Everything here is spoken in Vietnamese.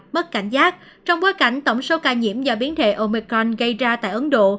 mất cảnh giác trong bối cảnh tổng số ca nhiễm do biến thể omecon gây ra tại ấn độ